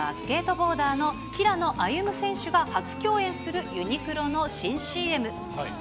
ボーダーの平野歩夢選手が初共演するユニクロの新ＣＭ。